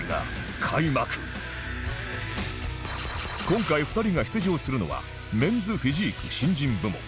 今回２人が出場するのはメンズフィジーク新人部門